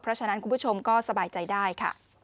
เพราะฉะนั้นคุณผู้ชมก็สบายใจได้ค่ะ